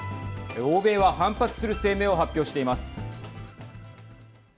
欧米は反発する声明を発表しています。